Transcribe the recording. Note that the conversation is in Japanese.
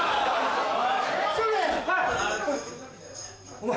お前。